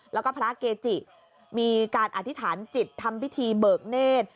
แล้วก็พระเกจิมีการอธิษฐานจิตทำพิธีเบิกเนธ